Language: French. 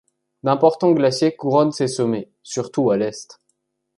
D'importants glaciers couronnent ces sommets, surtout à l'est.